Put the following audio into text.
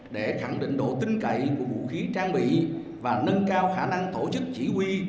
để khẳng định độ tinh cậy của vũ khí trang bị và nâng cao khả năng tổ chức chỉ huy